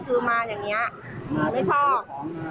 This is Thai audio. คือมาอย่างนี้ไม่ชอบ